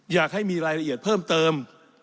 อยากให้มีรายละเอียดเพิ่มเติม